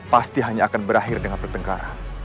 pasti hanya akan berakhir dengan pertengkaran